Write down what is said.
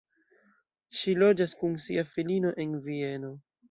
Ŝi loĝas kun sia filino en Vieno.